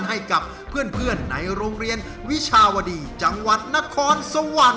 ให้กับเพื่อนในโรงเรียนวิชาวดีจังหวัดนครสวรรค์